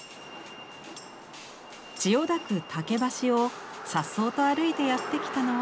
千代田区竹橋をさっそうと歩いてやって来たのは。